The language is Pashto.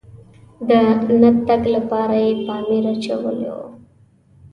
د نه تګ لپاره یې پامپر اچولی و.